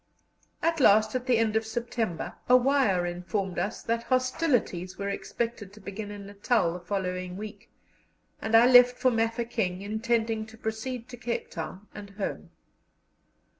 At last, at the end of September, a wire informed us that hostilities were expected to begin in Natal the following week, and I left for Mafeking, intending to proceed to Cape Town and home.